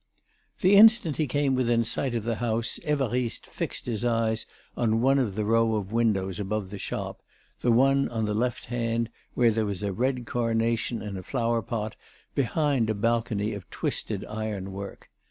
The instant he came within sight of the house, Évariste fixed his eyes on one of the row of windows above the shop, the one on the left hand, where there was a red carnation in a flower pot behind a balcony of twisted ironwork.